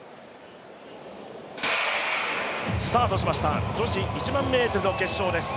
スタートしました女子１００００ｍの決勝です。